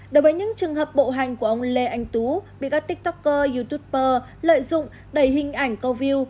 đối với những trường hợp bộ hành của ông lê anh tú bị các tiktoker youtuber lợi dụng đầy hình ảnh câu view